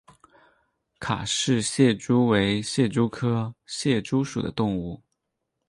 卡氏蟹蛛为蟹蛛科蟹蛛属的动物。